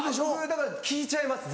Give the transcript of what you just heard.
だから聞いちゃいます